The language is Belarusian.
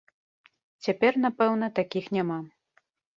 Цяпер, напэўна, такіх няма.